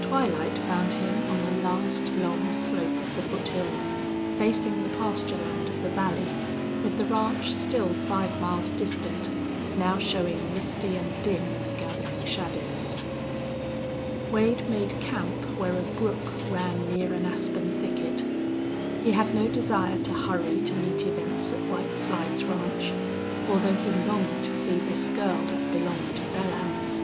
Twilight found him on a last long slope of the foothills, facing the pasture land of the valley, with the ranch still five miles distant, now showing misty and dim in the gathering shadows. Wade made camp where a brook ran near an aspen thicket. He had no desire to hurry to meet events at White Slides Ranch, although he longed to see this girl that belonged to Belllounds.